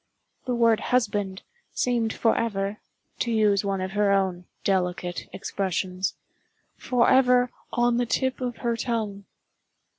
The word "husband" seemed forever—to use one of her own delicate expressions—forever "on the tip of her tongue."